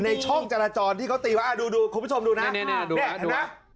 ในช่องจาลจรที่เค้าตีวะอะดูดูคุณผู้ชมดูนะได้ได้ดูหรอ